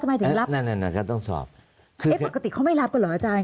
ทำไมถึงรับนั่นต้องสอบคือปกติเขาไม่รับกันหรออาจารย์